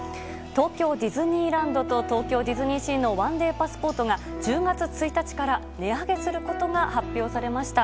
東京ディズニーランドと東京ディズニーシーの１デーパスポートが１０月１日から値上げすることが発表されました。